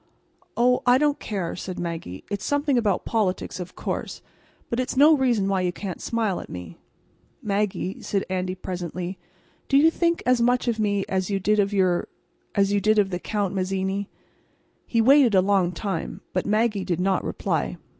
"Oh, I don't care," said Maggie. "It's something about politics, of course. But it's no reason why you can't smile at me." "Maggie," said Andy, presently, "do you think as much of me as you did of your—as you did of the Count Mazzini?" He waited a long time, but Maggie did not reply.